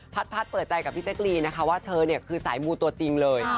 พัดพัดเปิดใจกับพี่เจ๊กรีว่าเธอคือสายมูตัวจริงเลย